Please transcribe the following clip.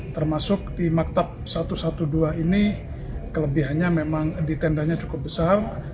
termasuk di maktab satu ratus dua belas ini kelebihannya memang di tendanya cukup besar